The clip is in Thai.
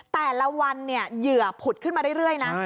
แต่ละวันเหยื่อผุดขึ้นมาเรื่อยนะ